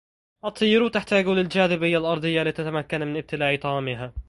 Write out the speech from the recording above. الطيور تحتاج للجاذبية الأرضية لتتمكن من ابتلاع طعامها.